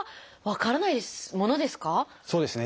そうですね。